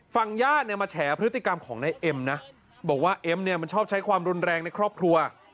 ญาติเนี่ยมาแฉพฤติกรรมของนายเอ็มนะบอกว่าเอ็มเนี่ยมันชอบใช้ความรุนแรงในครอบครัว